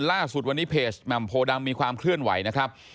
ล่าสุดวันนี้เพจแหม่มโพดำมีความเคลื่อนไหวนะครับ